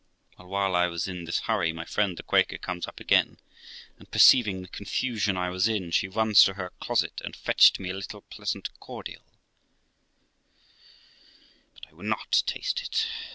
Well, while I was in this hurry my friend the Quaker conies up again, and perceiving the con fusion I was in, she runs to her closet, and fetched me a little pleasant cordial; but I would not taste it.